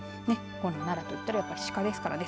奈良といったらやっぱりシカですからね。